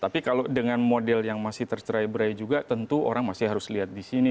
tapi kalau dengan model yang masih tercerai berai juga tentu orang masih harus lihat di sini